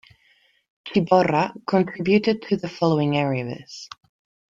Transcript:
Ciborra contributed to the following areas.